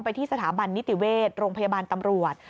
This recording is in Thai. ที่สถาบันนิติเวชโรงพยาบาลตำรวจ